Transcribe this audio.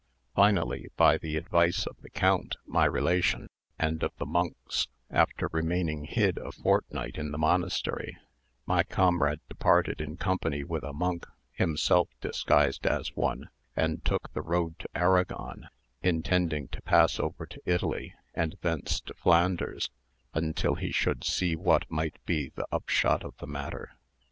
Finally, by the advice of the count, my relation, and of the monks, after remaining hid a fortnight in the monastery, my comrade departed in company with a monk, himself disguised as one, and took the road to Aragon, intending to pass over to Italy, and thence to Flanders, until he should see what might be the upshot of the matter.